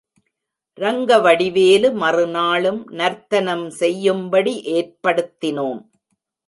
ரங்கவடிவேலு மறுநாளும் நர்த்தனம் செய்யும்படி, ஏற்படுத்தினோம்.